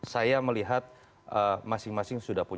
saya melihat masing masing sudah punya rencana ya sedikit